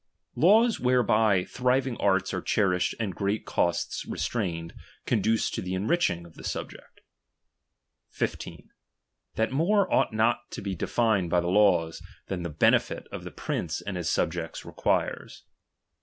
Laws whereby thriving arts are cherished and great costs restrained, conduce to the enriching of the subject. 15. That more ought not to be defined by the laws, than the benefit of the prince and his subjects requires.